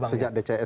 ya sejak dcs itu